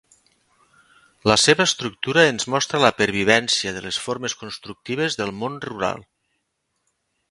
La seva estructura ens mostra la pervivència de les formes constructives del món rural.